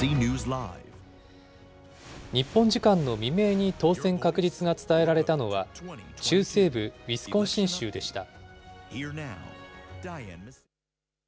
日本時間の未明に当選確実が伝えられたのは、中西部ウィスコンシン州でした。